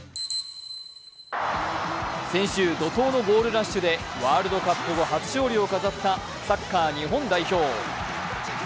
先週、怒とうのゴールラッシュでワールドカップ後初勝利を飾ったサッカー日本代表。